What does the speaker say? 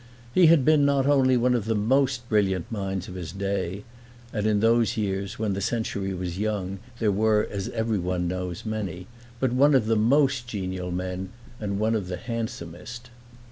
He had been not only one of the most brilliant minds of his day (and in those years, when the century was young, there were, as everyone knows, many), but one of the most genial men and one of the handsomest.